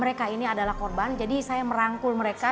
mereka ini adalah korban jadi saya merangkul mereka